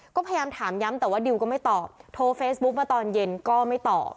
ก็พยายามถามย้ำแต่ว่าดิวก็ไม่ตอบโทรเฟซบุ๊กมาตอนเย็นก็ไม่ตอบ